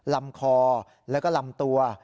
ลำคอแล้วก็ลำตัว